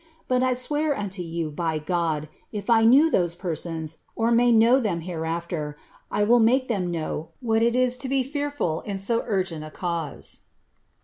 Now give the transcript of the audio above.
But I swear unto you, by God, if I knew those persons, or may know them hereafter, I will make them know what it IS to be fearful in so urgent a cause."